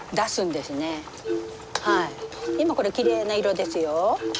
でもこれきれいな色ですよ。